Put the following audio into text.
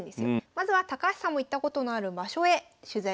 まずは高橋さんも行ったことのある場所へ取材に参りました。